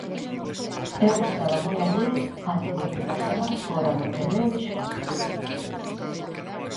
Eu estaba moi alleo a todo o que pasaba fóra do terreo de xogo.